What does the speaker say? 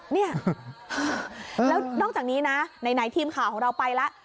เนี่ยแล้วนอกจากนี้นะไหนทีมข่าวของเราไปแล้ว